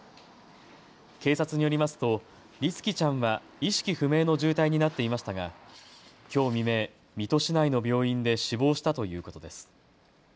警察によりますと律希ちゃんは意識不明の重体になっていましたがきょう未明、水戸市内の病院で死亡したということです。